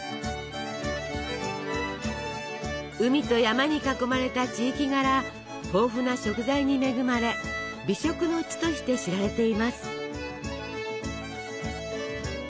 海と山に囲まれた地域柄豊富な食材に恵まれ美食の地として知られています。